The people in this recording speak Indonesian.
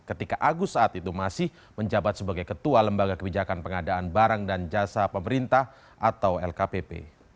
ketika agus saat itu masih menjabat sebagai ketua lembaga kebijakan pengadaan barang dan jasa pemerintah atau lkpp